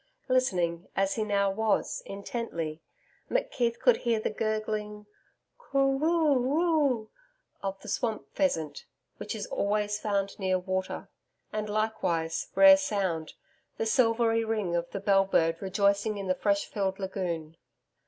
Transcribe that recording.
Listening, as he now was, intently, McKeith could hear the gurgling COO ROO ROO of the swamp pheasant, which is always found near water and likewise rare sound the silvery ring of the bell bird rejoicing in the fresh filled lagoon.